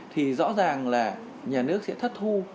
thì rõ ràng là nhà nước sẽ thất thu